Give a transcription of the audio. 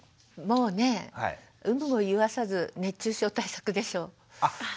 もうね有無を言わさず熱中症対策でしょう。